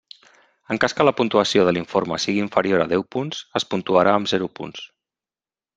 En cas que la puntuació de l'informe sigui inferior a deu punts, es puntuarà amb zero punts.